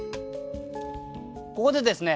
ここでですね